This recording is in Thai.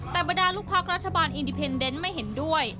แต่บรรดาลูกพักรัฐบาลอินดีเพนเดนไม่เห็นด้วย